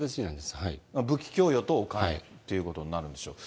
武器供与とお金ということになるんでしょう。